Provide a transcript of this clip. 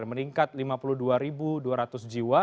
meningkat lima puluh dua dua ratus jiwa